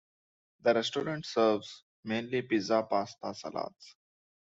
The restaurant serves mainly Pizza, Pasta, Salads.